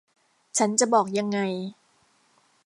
ฉันจะบอกยังไง